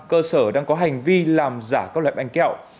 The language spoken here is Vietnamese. cơ sở đang có hành vi làm giả các loại bánh kẹo